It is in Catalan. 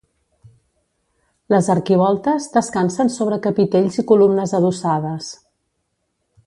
Les arquivoltes descansen sobre capitells i columnes adossades.